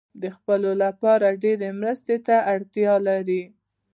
د ځپلو لپاره ډیرې مرستې ته اړتیا لري.